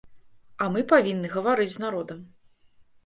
А мы павінны гаварыць з народам.